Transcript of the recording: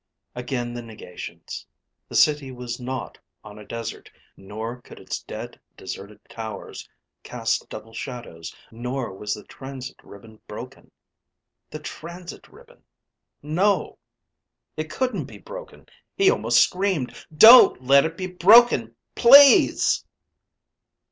Again the negations: the City was not on a desert, nor could its dead, deserted towers cast double shadows, nor was the transit ribbon broken. The transit ribbon! No! It couldn't be broken. He almost screamed. _Don't let it be broken, please....